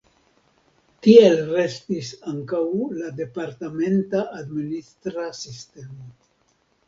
Tiel restis ankaŭ la departementa administra sistemo.